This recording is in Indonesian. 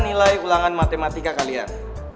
nilai ulangan matematika kalian